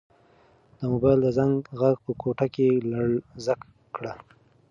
د موبایل د زنګ غږ په کوټه کې لړزه کړه.